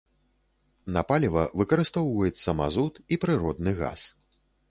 На паліва выкарыстоўваецца мазут і прыродны газ.